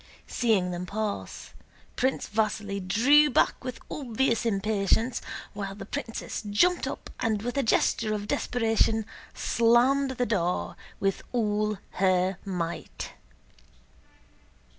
Seeing them pass, Prince Vasíli drew back with obvious impatience, while the princess jumped up and with a gesture of desperation slammed the door with all her might.